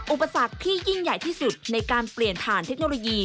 อุปสรรคที่ยิ่งใหญ่ที่สุดในการเปลี่ยนผ่านเทคโนโลยี